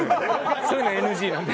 そういうのＮＧなんで。